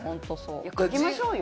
書きましょうよ！